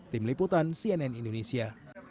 tim liputan cnn indonesia